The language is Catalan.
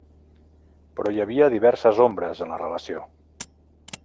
Però hi havia diverses ombres en la relació.